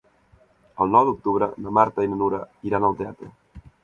El nou d'octubre na Marta i na Nura iran al teatre.